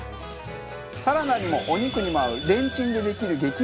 サラダにもお肉にも合うレンチンでできる激うま調味料です。